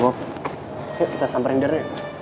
yuk kita sampering deren ya